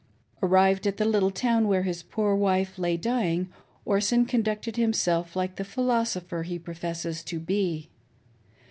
Arrived at the little town where his poor wife lay dying, Orson conducted himself like the philosopher he professes to be.